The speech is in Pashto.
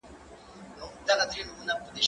زه مخکي سينه سپين کړی و؟!